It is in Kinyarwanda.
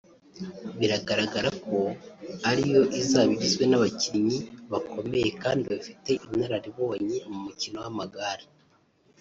bigaragara ko ariyo izaba igizwe n’abakinnyi bakomeye kandi bafite inararibonye mu mukino w’amagare